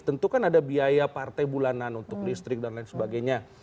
tentu kan ada biaya partai bulanan untuk listrik dan lain sebagainya